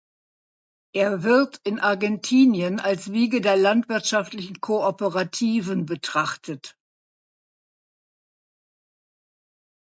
Er wird in Argentinien als Wiege der landwirtschaftlichen Kooperativen betrachtet.